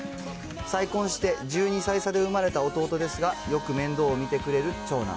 再婚して１２歳差で生まれた弟ですが、よく面倒を見てくれる長男。